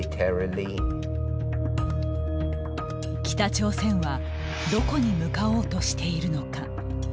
北朝鮮はどこに向かおうとしているのか。